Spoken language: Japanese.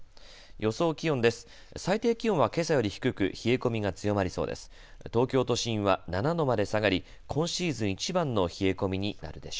予想気温です。